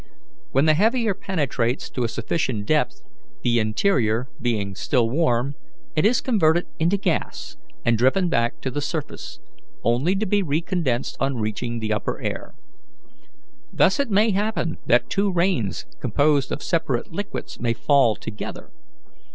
When the heavier penetrates to a sufficient depth, the interior being still warm, it is converted into gas and driven back to the surface, only to be recondensed on reaching the upper air. Thus it may happen that two rains composed of separate liquids may fall together.